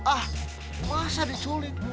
ah masa diculik